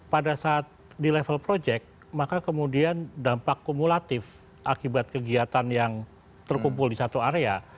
pada saat di level project maka kemudian dampak kumulatif akibat kegiatan yang terkumpul di satu area